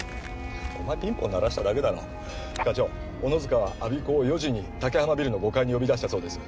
お前ピンポン鳴らしただけだろ課長小野塚は我孫子を４時に竹浜ビルの５階に呼び出したそうです